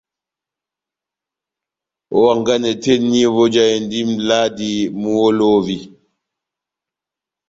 Ó hanganɛ tɛ́h eni vojahindi mʼbladi muholovi.